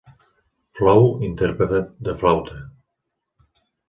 Flou intèrpret de la flauta.